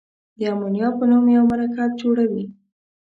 د امونیا په نوم یو مرکب جوړوي.